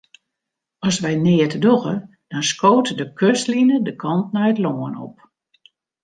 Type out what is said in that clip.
As wy neat dogge, dan skoot de kustline de kant nei it lân op.